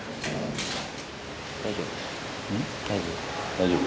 大丈夫。